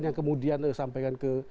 yang kemudian sampaikan ke